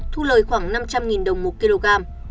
thu lời khoảng năm trăm linh đồng một kg